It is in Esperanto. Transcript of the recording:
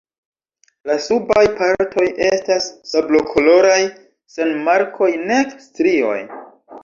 La subaj partoj estas sablokoloraj sen markoj nek strioj.